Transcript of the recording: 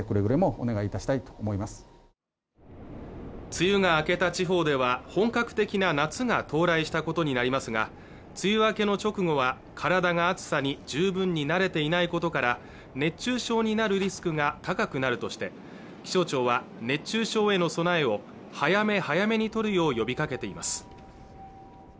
梅雨が明けた地方では本格的な夏が到来したことになりますが梅雨明けの直後は体が暑さに十分に慣れていないことから熱中症になるリスクが高くなるとして気象庁は熱中症への備えを早め早めに取るよう呼びかけています